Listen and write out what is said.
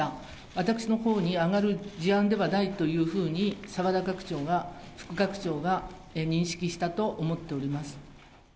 私のほうに上がる事案ではないというふうに、澤田副学長が認識したと思っております。